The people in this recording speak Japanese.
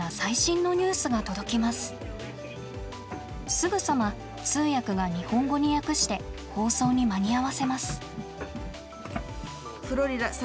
すぐさま通訳が日本語に訳して放送に間に合わせます。